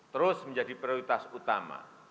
terus menjadi prioritas utama